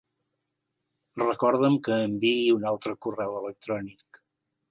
Recorda'm que enviï un altre correu electrònic.